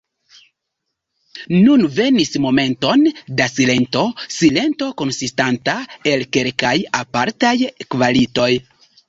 Nun venis momenton da silento—silento konsistanta el kelkaj apartaj kvalitoj.